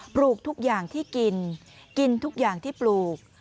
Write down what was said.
ปลูกทุกอย่างที่กินกินทุกอย่างที่ปลูก